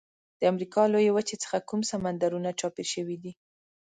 د امریکا له لویې وچې څخه کوم سمندرونه چاپیر شوي دي؟